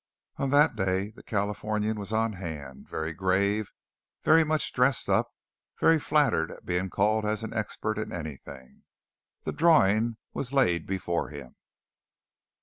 On that day the Californian was on hand, very grave, very much dressed up, very flattered at being called as an expert in anything. The drawing was laid before him.